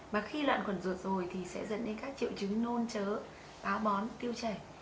mà khi loạn khuẩn ruột rồi thì sẽ dẫn đến các triệu chứng nôn chớ táo bón tiêu chảy